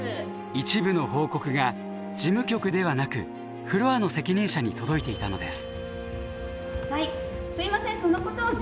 一部の報告が事務局ではなくフロアの責任者に届いていたのです。